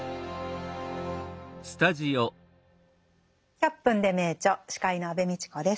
「１００分ｄｅ名著」司会の安部みちこです。